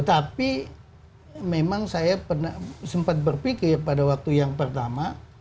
tapi memang saya sempat berpikir pada waktu yang pertama